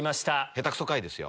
下手クソ回ですよ。